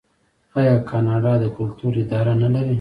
آیا کاناډا د کلتور اداره نلري؟